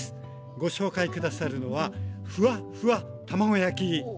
ご紹介下さるのはふわふわ卵焼きです。